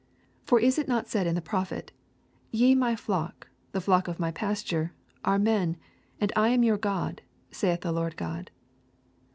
For is it not said in the prophet: Ye my flock, the flock of my pasture, are men, and I am your God, saith the Lord God.